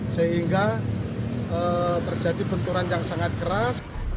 sehingga terjadi benturan yang sangat keras